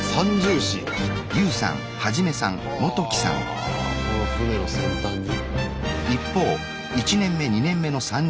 はぁこの船の先端に。